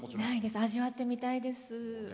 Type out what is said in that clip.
味わってみたいです。